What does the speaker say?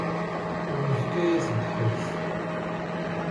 Nefka-yas ddḥis.